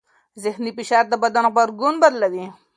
ذهني فشار د بدن غبرګون بدلوي.